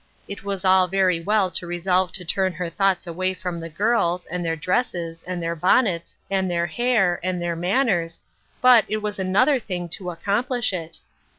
It "w as all very well to resolve to turn her thoughts away from the girls, and their dresses, and tkv ir bonnets, and their hair, and their man ners, bu"i it was another thing to accomplish it.